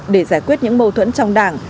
để giải quyết những mâu thuẫn trong đảng